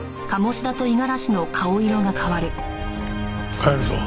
帰るぞ。